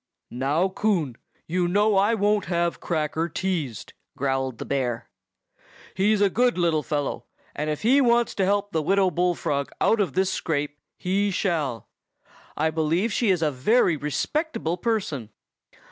"Now, Coon, you know I won't have Cracker teased!" growled the bear. "He's a good little fellow, and if he wants to help the Widow Bullfrog out of this scrape, he shall. I believe she is a very respectable person.